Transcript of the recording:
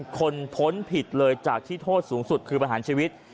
คนพ้นผิดเลยจากที่โทษสูงสุดคือประหารชีวิต